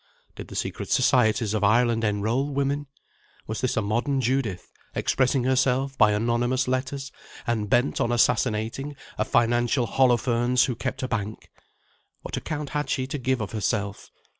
Did the secret societies of Ireland enrol women? Was this a modern Judith, expressing herself by anonymous letters, and bent on assassinating a financial Holofernes who kept a bank? What account had she to give of herself?